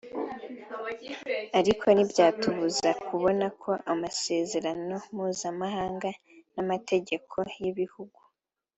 Ariko ntibyatubuza kubona ko amasezerano mpuzamahanga n’amategeko y’ibihugu